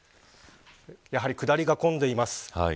やはり、下りが混んでいます。